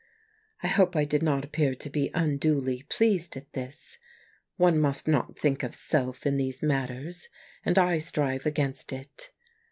I hope I did not appear to be unduly pleased at this ; one must not think of self in these mjatters, and I strive against it.